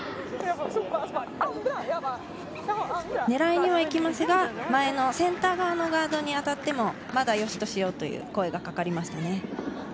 狙いに行きますがセンター側のガードに当たっても、まだ良しとしようという声がかかりました。